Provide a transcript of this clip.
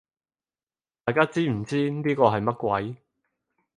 大家知唔知呢個係乜鬼